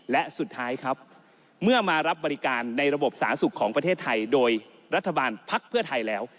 และสุดท้ายครับเมื่อมารับบริการในระบบสาธารณสุขของประเทศไทยโดยรัฐบาลภักดิ์เพื่อไทยแล้ว